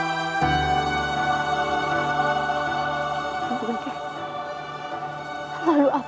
terima kasih sekali ibu bunda